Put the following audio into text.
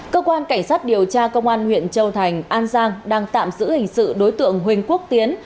cơ quan cảnh sát điều tra công an huyện châu thành an giang đang tạm giữ hình sự đối tượng huỳnh quốc tiến